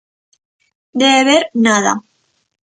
De beber, nada.